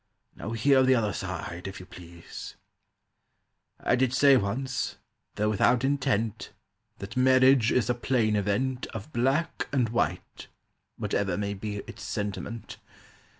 Now hear the other side, if you please: "I did say once, though without intent, That marriage is a plain event Of black and white, Whatever may be its sentiment.